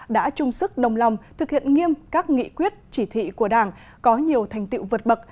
đã chung sức đồng lòng thực hiện nghiêm các nghị quyết chỉ thị của đảng có nhiều thành tiệu vượt bậc